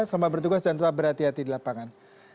selamat bertugas dan tetap berhati hati di lapangan